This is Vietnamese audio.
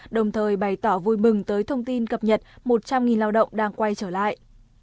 đồng thời bày tỏ vui mừng tới thông tin cập nhật một trăm linh lao động đang quay trở lại